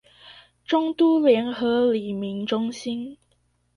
中都聯合里民中心